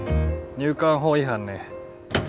入管法違反ね。